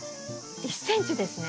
１ｃｍですね。